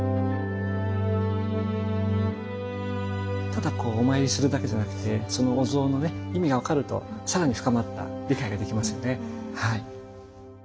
ただこうお参りするだけじゃなくてそのお像のね意味が分かると更に深まった理解ができますよねはい。